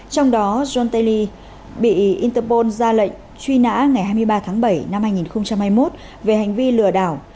trong đó johnterly bị interpol ra lệnh truy nã ngày hai mươi ba tháng bảy năm hai nghìn hai mươi một về hành vi lừa đảo